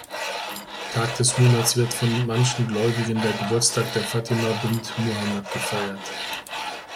Tag des Monats wird von manchen Gläubigen der Geburtstag der Fatima bint Muhammad gefeiert.